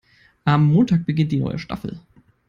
Am Montag beginnt die neue Staffel.